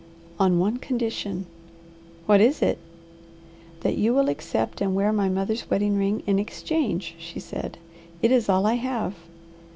"On one condition." "What is it?" "That you will accept and wear my mother's wedding ring in exchange," she said. "It is all I have."